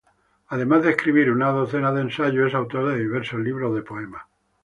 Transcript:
Además de escribir una decena de ensayos, es autor de diversos libros de poemas.